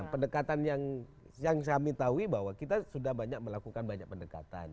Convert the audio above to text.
pendekatan yang kami tahu kita sudah melakukan banyak pendekatan